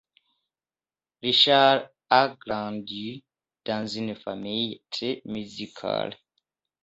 Richard a grandi dans une famille très musicale.